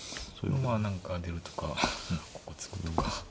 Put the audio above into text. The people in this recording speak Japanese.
まあ何か出るとかここ突くとか。